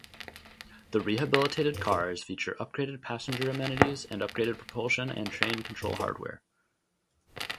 The rehabilitated cars feature upgraded passenger amenities and upgraded propulsion and train control hardware.